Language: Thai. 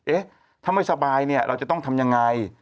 เอ๊ะถ้าไม่สบายเนี่ยเราจะต้องทำยังไง